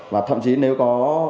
và thậm chí nếu có